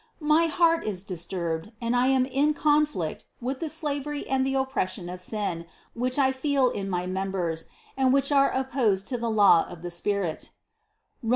My heart is disturbed and I am in conflict with the slavery and the oppression of sin, which I feel in my members, and which are opposed to the law of the spirit" (Rom.